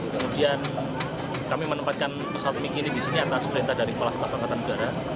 kemudian kami menempatkan pesawat mig ini di sini atas perintah dari kepala setapak ketamugara